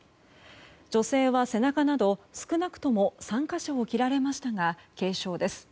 女性は背中など少なくとも３か所を切られましたが軽傷です。